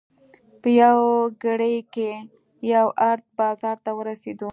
په یوه ګړۍ کې یو ارت بازار ته ورسېدو.